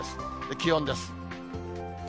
気温です。